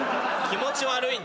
気持ち悪い。